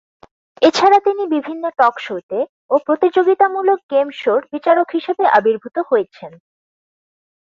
এছাড়া তিনি বিভিন্ন টক শোতে ও প্রতিযোগিতামূলক গেম শোর বিচারক হিসেবে আবির্ভূত হয়েছেন।